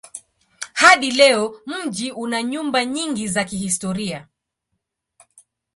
Hadi leo mji una nyumba nyingi za kihistoria.